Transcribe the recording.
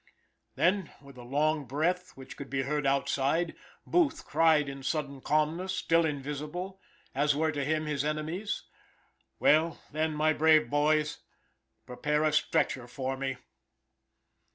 Then with a long breath, which could be heard outside, Booth cried in sudden calmness, still invisible, as were to him his enemies: "Well, then, my brave boys, prepare a stretcher for me."